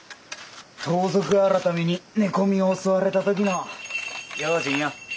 盗賊改に寝込みを襲われた時の用心よ。